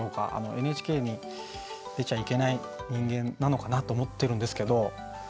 ＮＨＫに出ちゃいけない人間なのかなと思ってるんですけど。